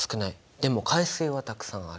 でも海水はたくさんある。